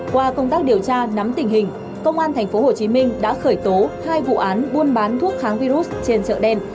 qua công tác điều tra nắm tình hình công an tp hcm đã khởi tố hai vụ án buôn bán thuốc kháng virus trên chợ đen